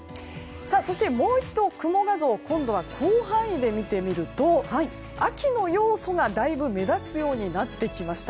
そして、もう一度、雲画像を今度は広範囲で見てみると秋の要素が、だいぶ目立つようになってきました。